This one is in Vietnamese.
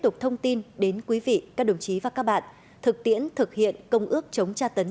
tiếp tục thông tin đến quý vị các đồng chí và các bạn thực tiễn thực hiện công ước chống tra tấn